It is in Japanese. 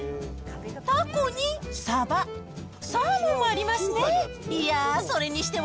タコにサバ、サーモンもありますね。